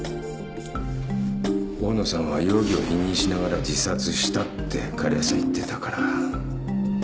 大野さんは容疑を否認しながら自殺したって狩矢さん言ってたから。